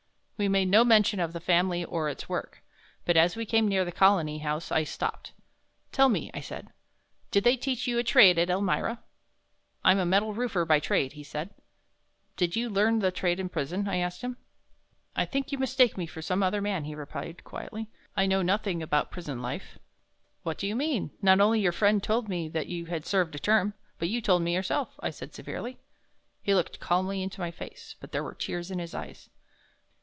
We made no mention of the Family or its work, but as we came near the Colony House I stopped. "Tell me," I said, "did they teach you a trade at Elmira?" "I'm a metal roofer by trade," he said. "Did you learn the trade in prison?" I asked him. "I think you mistake me for some other man," he replied, quietly. "I know nothing about prison life." "What do you mean, not only your friend told me that you had served a term, but you told me yourself?" I said, severely. He looked calmly into my face, but there were tears in his eyes.